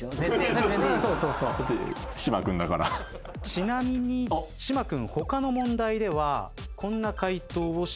ちなみに島君。